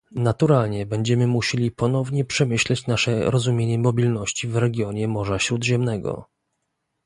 Naturalnie będziemy musieli ponownie przemyśleć nasze rozumienie mobilności w regionie Morza Śródziemnego